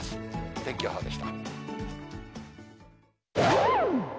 天気予報でした。